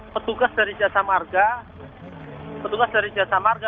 petugas dari jasa marga